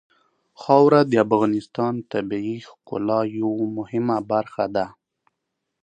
خاوره د افغانستان د طبیعت د ښکلا یوه مهمه برخه ده.